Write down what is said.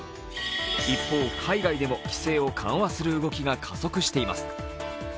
一方、海外でも規制を緩和する動きが加速しています。